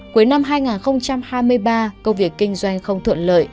cuối năm hai nghìn hai mươi ba công việc kinh doanh không thuận lợi